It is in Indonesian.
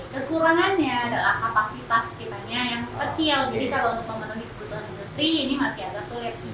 kekurangannya adalah kapasitas kitanya yang kecil jadi kalau untuk memenuhi kebutuhan industri ini masih agak sulit